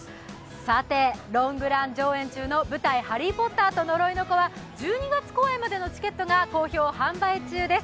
さてロングラン上映中の舞台「ハリー・ポッターと呪いの子」は１２月公演までのチケットが好評販売中です。